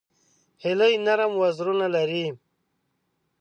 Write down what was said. هیلۍ نرم وزرونه لري